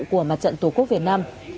của mặt trận tổ quốc việt nam